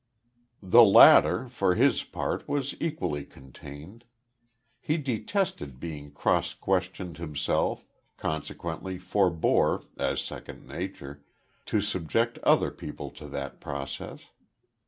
The latter, for his part, was equally contained. He detested being cross questioned himself, consequently forebore, as second nature, to subject other people to that process.